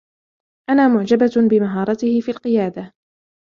أنا معجبةٌ بمهارته في القيادة.